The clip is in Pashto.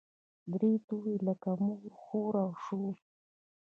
درې توري لکه مور، خور او شور.